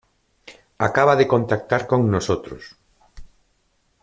acaba de contactar con nosotros.